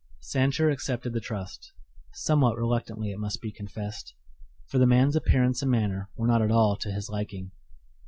Sancher accepted the trust somewhat reluctantly it must be confessed, for the man's appearance and manner were not at all to his liking.